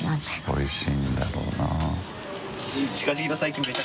おいしいんだろうな。